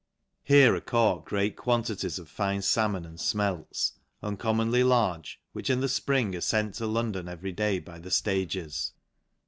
Here are caught great quantities of fine falmon and fmelts, uncommonly large, which in 'the fpring are font to London every day by the ilages.